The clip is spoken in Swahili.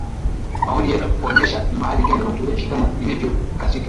maoni yetu kukuonyesha ni mahali gani Uturuki Kama ilivyo katika